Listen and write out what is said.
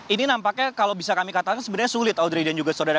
ini nampaknya kalau bisa kami katakan sebenarnya sulit audrey dan juga saudara